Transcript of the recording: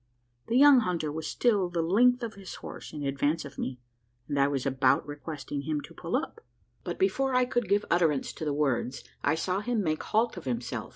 The young hunter was still the length of his horse in advance of me; and I was about requesting him to pull up; but before I could give utterance to the words, I saw him make halt of himself.